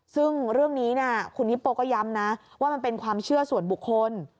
ซึ่งเรื่องนี้คุณฮิปโปก็ย้ำนะว่ามันเป็นความเชื่อส่วนบุคคล